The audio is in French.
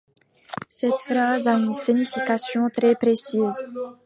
Cette phrase a une signification très précise...